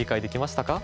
できました。